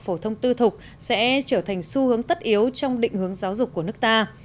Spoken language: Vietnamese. phổ thông tư thục sẽ trở thành xu hướng tất yếu trong định hướng giáo dục của nước ta